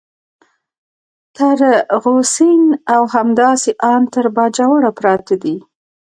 تر غو سین او همداسې ان تر باجوړه پراته دي.